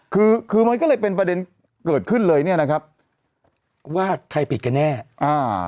คือคือมันก็เลยเป็นประเด็นเกิดขึ้นเลยเนี้ยนะครับว่าใครผิดกันแน่อ่า